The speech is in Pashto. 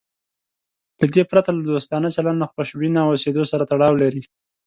له دې پرته له دوستانه چلند خوشبینه اوسېدو سره تړاو لري.